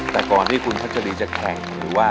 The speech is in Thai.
แต่ก่อนที่คุณพัชรีจะแต่ง